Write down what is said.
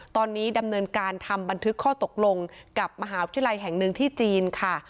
ตอนนี้ดำเนินการทำบันทึกข้อตกลงกับมหาวิทยาลัยแห่งหนึ่งที่จีนค่ะ